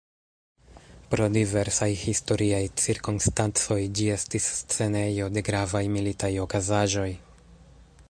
Pro diversaj historiaj cirkonstancoj ĝi estis scenejo de gravaj militaj okazaĵoj.